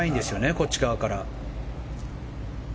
こっち側から。